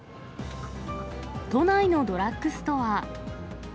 都内のドラッグストア。